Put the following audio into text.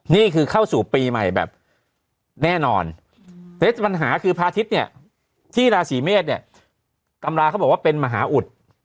นี่คือเข้าสู่ปีใหม่แบบแน่นอนแต่ปัญหาคือพระอาทิตย์เนี่ยที่ราศีเมษเนี่ยตำราเขาบอกว่าเป็นมหาอุด